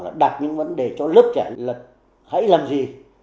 là đặt những vấn đề cho lớp trẻ là hãy làm gì